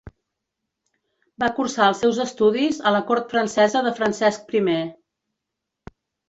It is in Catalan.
Va cursar els seus estudis a la cort francesa de Francesc I.